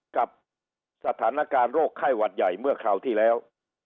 กับสถานการณ์โรคไข้หวัดใหญ่เมื่อคราวที่แล้ว